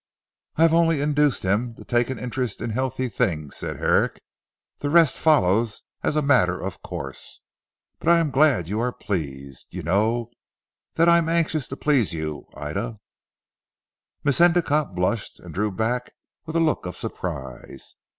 "I have only induced him to take an interest in healthy things," said Herrick, "the rest follows as a matter of course. But I am glad you are pleased. You know that I am anxious to please you Ida." Miss Endicotte blushed and drew back with a look of surprise.